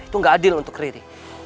itu gak adil untuk riri